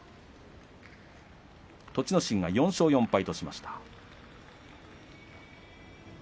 心が４勝４敗としました。